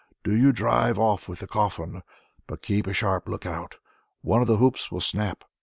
Do you drive off with the coffin, but keep a sharp look out. One of the hoops will snap.